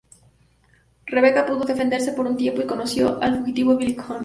Rebecca pudo defenderse por un tiempo, y conoció al fugitivo Billy Coen.